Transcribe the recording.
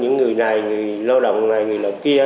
những người này người lao động này người là kia